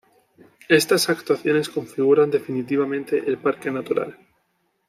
Estas actuaciones configuran definitivamente el Parque Natural.